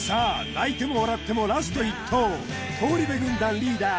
泣いても笑ってもラスト１投東リベ軍団リーダー